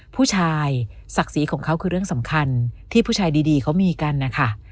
ผู้ชายศักดิ์ศรีของเขาคือเรื่องสำคัญที่ผู้ชายดีเขามีกันนะคะ